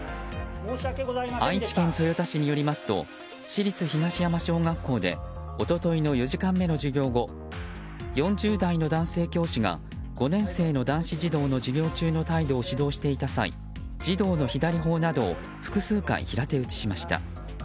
愛知県豊田市によりますと市立東山小学校で一昨日の４時間目の授業後４０代の男性教師が、５年生の男子児童の授業中の態度を指導していた際児童の左頬などを複数回、平手打ちしました。